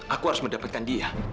aku harus mendapatkan dia